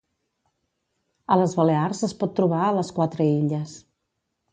A les Balears es pot trobar a les quatre illes.